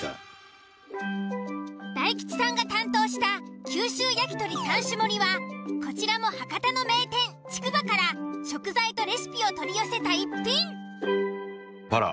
大吉さんが担当した九州焼き鳥・３種盛りはこちらも博多の名店「竹馬」から食材とレシピを取り寄せた一品。